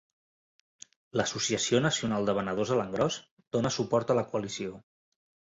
L'Associació Nacional de Venedors a l'engròs dona suport a la Coalició.